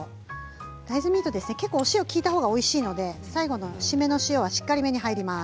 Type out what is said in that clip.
大豆ミートは結構、お塩が利いたほうがおいしいので最後の締めのお塩はしっかりめに入ります。